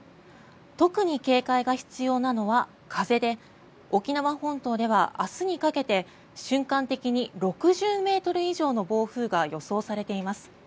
特に警戒が必要なのは風で沖縄本島では明日にかけて瞬間的に６０ｍ以上の暴風が予想されています。